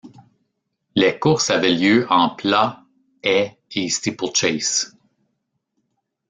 Les courses avaient lieu en plat, haies et Steeple chase.